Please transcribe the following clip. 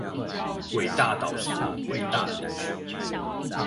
偉大導師、偉大領袖